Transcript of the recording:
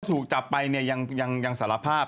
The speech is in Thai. ถูกจับไปเนี่ยยังสารภาพ